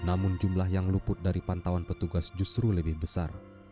namun jumlah yang luput dari pantauan petugas justru lebih besar